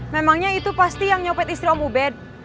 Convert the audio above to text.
memangnya itu pasti yang nyopet istri om ubed